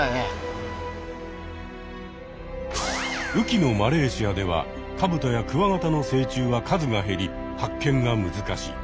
雨季のマレーシアではカブトやクワガタの成虫は数が減り発見が難しい。